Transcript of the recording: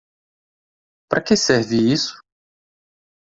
Para que serve isso?